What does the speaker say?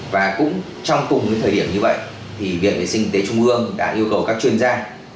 và cũng trong cùng cái thời điểm như vậy thì viện vệ sinh dịch tễ trung ương đã yêu cầu các chuyên gia